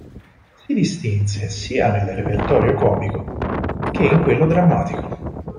Si distinse sia nel repertorio comico che in quello drammatico.